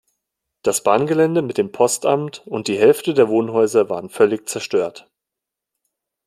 Das Bahngelände mit dem Postamt und die Hälfte der Wohnhäuser waren völlig zerstört.